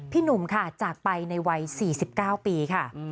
หนุ่มค่ะจากไปในวัย๔๙ปีค่ะ